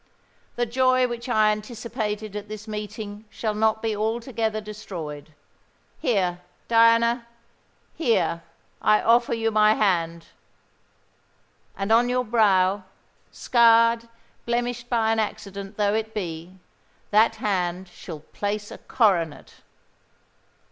The joy which I anticipated at this meeting shall not be altogether destroyed. Here, Diana—here I offer you my hand; and on your brow—scarred, blemished by an accident though it be—that hand shall place a coronet!"